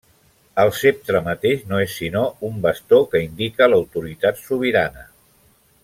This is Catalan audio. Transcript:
El ceptre mateix no és sinó un bastó que indica l’autoritat sobirana.